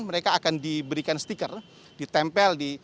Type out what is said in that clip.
mereka akan diberikan stiker ditempel di